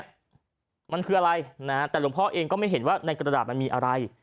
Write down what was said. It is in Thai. มันคืออะไรนะฮะแต่หลวงพ่อเองก็ไม่เห็นว่าในกระดาษมันมีอะไร